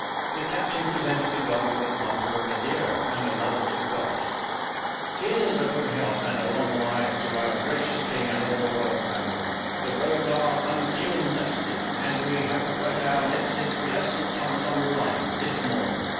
The captain presented the god with a bumper of Madeira, and another to the goddess. "Here's a good health and a long life to our gracious king and all the royal family. The roads are unkimmon dusty, and we hav'n't wet our lips since we left St Thomas on the line, this morning.